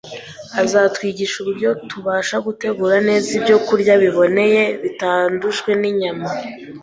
azatwigisha uburyo tubasha gutegura neza ibyokurya biboneye, bitandujwe n’inyama.